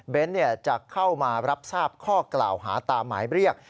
จะเข้ามารับทราบข้อกล่าวหาตามหมายเรียก